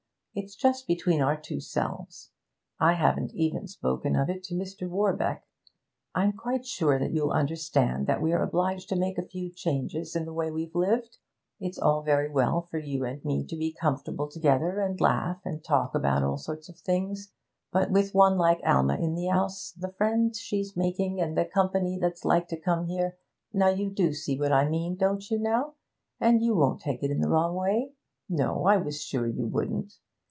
It's just between our two selves. I haven't even spoken of it to Mr. Warbeck. I'm quite sure that you'll understand that we're obliged to make a few changes in the way we've lived. It's all very well for you and me to be comfortable together, and laugh and talk about all sorts of things, but with one like Alma in the 'ouse, and the friends she's making and the company that's likely to come here now you do see what I mean, don't you, now? And you won't take it the wrong way? No, I was sure you wouldn't.